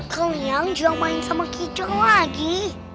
kalian jangan main sama kicok lagi